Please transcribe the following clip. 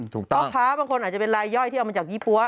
พ่อค้าบางคนอาจจะเป็นลายย่อยที่เอามาจากยี่ปั๊ว